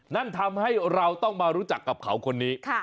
นั่นทำให้เราต้องมารู้จักกับเขาคนนี้